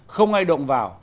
không ai động vào